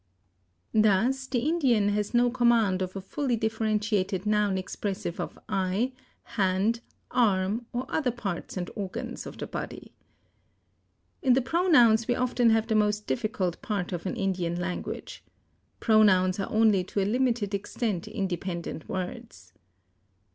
Thus the Indian has no command of a fully differentiated noun expressive of eye, hand, arm, or other parts and organs of the body. In the pronouns we often have the most difficult part of an Indian language. Pronouns are only to a limited extent independent words.